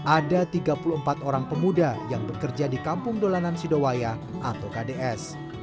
ada tiga puluh empat orang pemuda yang bekerja di kampung dolanan sidowaya atau kds